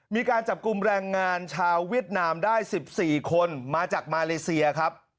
มีการจับกลุ่มแรงงานชาวเวียดนามได้๑๔คนมาจากมาเลเซียครับ